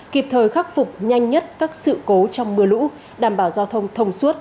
kịp thời khắc phục nhanh nhất các sự cố trong mưa lũ đảm bảo giao thông thông suốt